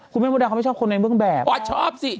คุณแม่โมเดลเขาไม่ชอบคนในเมืองแบบชอบสิ